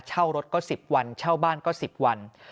รถก็๑๐วันเช่าบ้านก็๑๐วัน